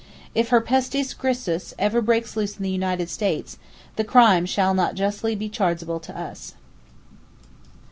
If Herpestes griseus ever breaks loose in the United States, the crime shall not justly be chargeable to us.